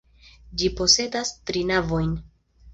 Ĝi posedas tri navojn.